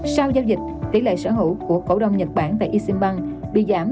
sau giao dịch tỷ lệ sở hữu của cổ đồng nhật bản tại asean bank bị giảm